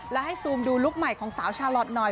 และให้ซูมดูลุคใหม่ของสาวชาลอทหน่อย